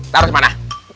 taruh ke mana